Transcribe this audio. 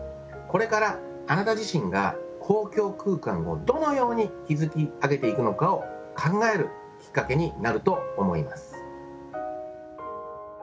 これからあなた自身が公共空間をどのように築き上げていくのかを考えるきっかけになると思います